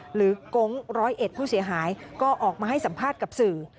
กงร้อยเอ็ดผู้เสียหายก็ออกมาให้สัมภาษณ์กับสื่อ